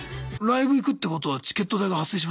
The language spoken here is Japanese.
ライブ行くってことはチケット代が発生しますよね。